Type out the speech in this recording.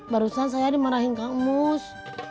barusan saya dimarahin kang mus